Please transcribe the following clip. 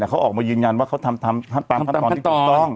เขาออกมายืนยันว่าเขาทำตามขั้นตอนที่ถูกต้อง